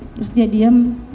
terus dia diem